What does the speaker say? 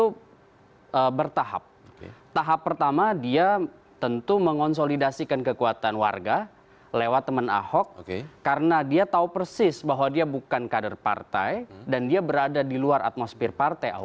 itu bertahap tahap pertama dia tentu mengonsolidasikan kekuatan warga lewat teman ahok karena dia tahu persis bahwa dia bukan kader partai dan dia berada di luar atmosfer partai